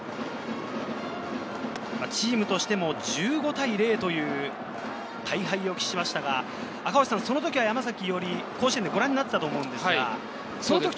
チームとしても１５対０という大敗を喫しましたが、その時は山崎伊織、甲子園でご覧になっていたと思うんですが。